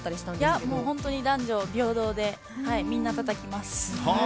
いや、本当に男女平等でみんなたたきます。